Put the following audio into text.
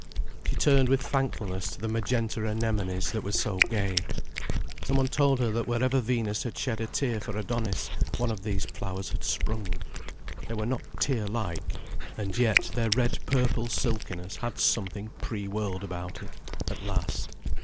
She turned with thankfulness to the magenta anemones that were so gay. Some one told her that wherever Venus had shed a tear for Adonis, one of these flowers had sprung. They were not tear like. And yet their red purple silkiness had something pre world about it, at last.